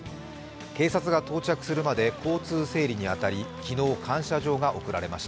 警察が到着するまで交通整理に当たり昨日、感謝状が贈られました。